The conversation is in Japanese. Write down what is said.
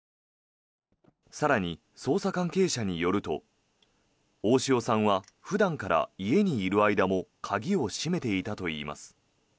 更に、捜査関係者によると大塩さんは普段から家にいる間も鍵を閉めていたといいます。